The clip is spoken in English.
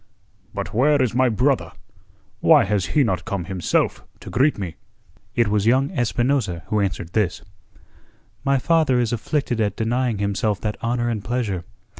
"But where is my brother? Why has he not come, himself, to greet me?" It was young Espinosa who answered this: "My father is afflicted at denying himself that honour and pleasure.